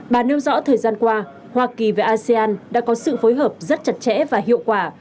bà nêu rõ thời gian qua hoa kỳ và asean đã có sự phối hợp rất chặt chẽ và hiệu quả